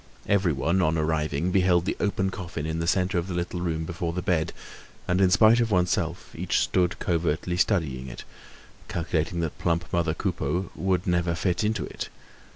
Everyone, on arriving, beheld the open coffin in the centre of the little room before the bed; and in spite of oneself, each stood covertly studying it, calculating that plump mother Coupeau would never fit into it.